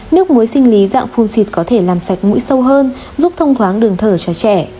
nước muối sinh lý dạng phu xịt có thể làm sạch mũi sâu hơn giúp thông thoáng đường thở cho trẻ